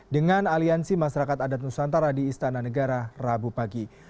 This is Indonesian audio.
dengan aliansi masyarakat adat nusantara di istana negara rabu pagi